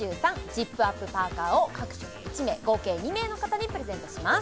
ジップアップパーカーを各色１名合計２名の方にプレゼントします